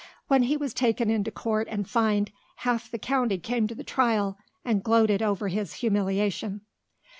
When he was taken into court and fined, half the county came to the trial and gloated over his humiliation.